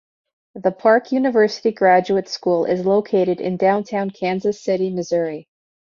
The Park University Graduate School is located in downtown Kansas City, Missouri.